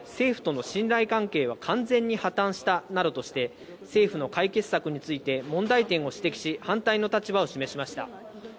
原告側の弁護士は政府との信頼関係は完全に破綻したなどとして、政府の解決策について、問題点を指摘し、反対の立場を示しました。